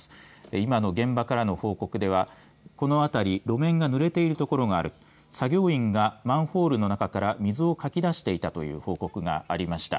今の現場からの報告ではこの辺り路面が濡れている所がある作業員がマンホールの中から水をかき出していたという報告がありました。